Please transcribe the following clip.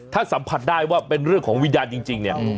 ถ้าสัมผัสได้ว่าเป็นเรื่องของวิญญาณจริงเนี่ย